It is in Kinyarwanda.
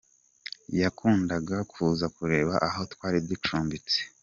Yakundaga kuza kutureba aho twari ducumbitse.